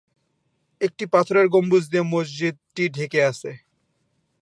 একটি পাথরের গম্বুজ দিয়ে মসজিদটি ঢেকে আছে।